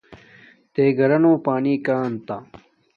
تے گھارونو پانیک آتا